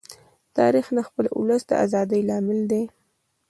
تاریخ د خپل ولس د ازادۍ لامل دی.